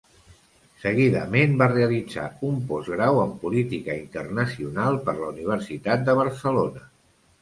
Seguidament va realitzar un Postgrau en Política internacional per la Universitat de Barcelona.